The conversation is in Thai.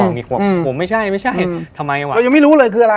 เขาบอกว่าผมไม่ใช่ไม่ใช่ทำไมวะ